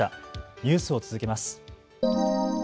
ニュースを続けます。